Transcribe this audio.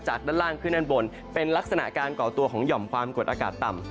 ด้านล่างขึ้นด้านบนเป็นลักษณะการก่อตัวของหย่อมความกดอากาศต่ำ